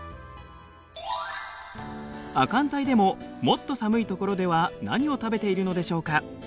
亜寒帯でももっと寒いところでは何を食べているのでしょうか？